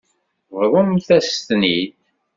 Bḍumt-as-ten-id.